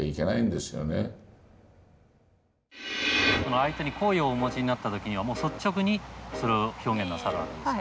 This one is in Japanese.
相手に好意をお持ちになった時には率直にそれを表現なさるわけですか？